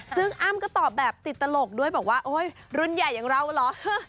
ซึ่งอ้ำก็ตอบแบบติดตลกด้วยบอกว่าโอ๊ยรุ่นใหญ่อย่างเราเหรอ